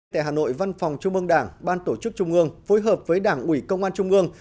tại hà nội văn phòng trung ương đảng ban tổ chức trung ương phối hợp với đảng ủy công an trung ương